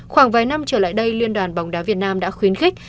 khoảng vài năm trở lại đây liên đoàn bóng đá việt nam đã khuyến khích